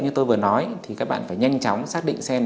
như tôi vừa nói thì các bạn phải nhanh chóng xác định xem